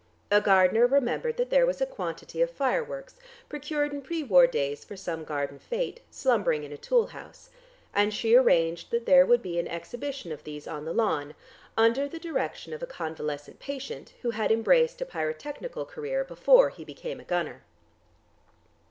A gardener remembered that there was a quantity of fireworks, procured in pre war days for some garden fête, slumbering in a tool house, and she arranged that there would be an exhibition of these on the lawn, under the direction of a convalescent patient who had embraced a pyrotechnical career before he became a gunner.